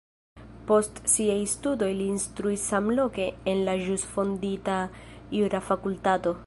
Post siaj studoj li instruis samloke en la ĵus fondita jura fakultato.